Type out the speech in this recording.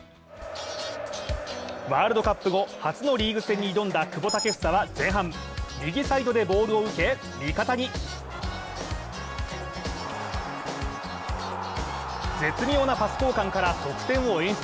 ワールドカップ後初のリーグ戦に挑んだ久保建英は前半、右サイドでボールを受け、味方に絶妙なパス交換から得点を演出。